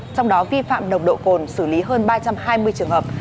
trong đó vi phạm nồng độ cồn xử lý hơn ba trăm hai mươi trường hợp